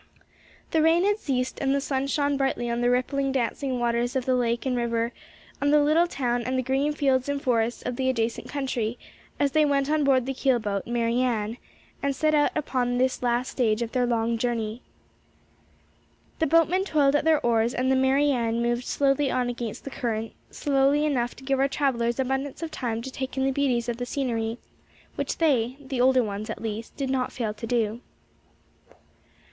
The rain had ceased and the sun shone brightly on the rippling, dancing waters of the lake and river, on the little town and the green fields and forests of the adjacent country, as they went on board the keel boat Mary Ann, and set out upon this the last stage of their long journey. The boatmen toiled at their oars and the Mary Ann moved slowly on against the current, slowly enough to give our travelers abundance of time to take in the beauties of the scenery; which they, the older ones at least, did not fail to do.